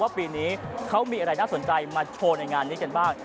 ปีนี้เขามีอะไรน่าสนใจมาโชว์ในงานนี้กันบ้าง